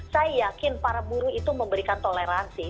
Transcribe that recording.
saya yakin para buruh itu memberikan toleransi